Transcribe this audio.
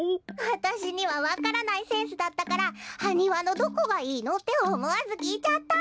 わたしにはわからないセンスだったから「ハニワのどこがいいの？」っておもわずきいちゃった。